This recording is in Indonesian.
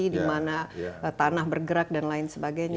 dimana tanah bergerak dan lain sebagainya